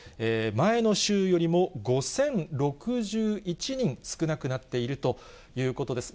前の週よりも５０６１人少なくなっているということです。